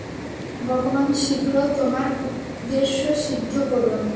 ভগবান শীঘ্র তোমার উদ্দেশ্য সিদ্ধ করুন।